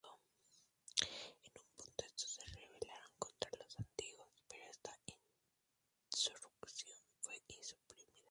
En un punto estos se rebelaron contra los Antiguos, pero esta insurrección fue suprimida.